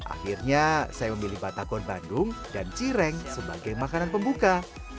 akhirnya saya memilih batakon bandung dan cireng sebagai makanan pembuka